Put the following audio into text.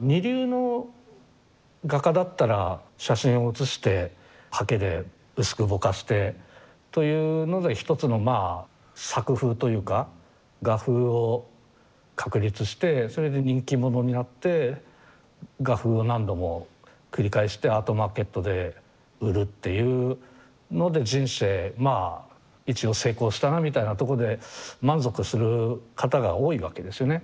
二流の画家だったら写真を写して刷毛で薄くぼかしてというので一つのまあ作風というか画風を確立してそれで人気者になって画風を何度も繰り返してアートマーケットで売るっていうので人生まあ一応成功したなみたいなとこで満足する方が多いわけですね。